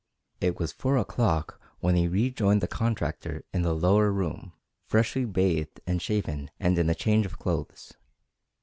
It was four o'clock when he rejoined the contractor in the lower room, freshly bathed and shaven and in a change of clothes.